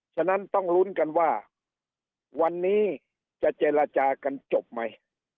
ฉะนั้นต้องลุ้นกันว่าวันนี้จะเจรจากันจบไหม